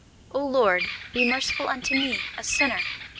O Lord, be merciful unto me, a sinner!